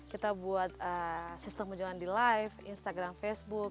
kita buat sistem penjualan di live instagram facebook